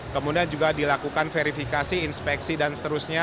kemudian juga dilakukan verifikasi inspeksi dan seterusnya